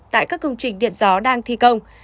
tại các công trình điện gió đang thi công